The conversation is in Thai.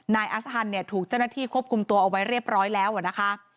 นายอัสฮันเนี่ยถูกเจ้าหน้าที่ควบคุมตัวเอาไว้เรียบร้อยแล้วนะคะ